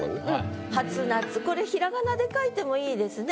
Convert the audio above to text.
これ平仮名で書いてもいいですね